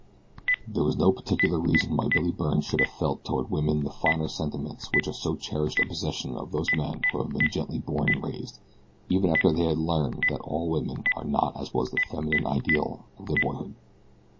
There was no particular reason why Billy Byrne should have felt toward women the finer sentiments which are so cherished a possession of those men who have been gently born and raised, even after they have learned that all women are not as was the feminine ideal of their boyhood.